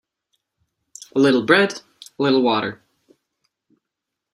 A little bread, a little water.